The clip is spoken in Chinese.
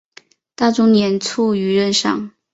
大中年间卒于任上。